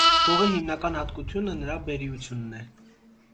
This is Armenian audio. Հողի հիմնական հատկությունը նրա բերրիությունն է։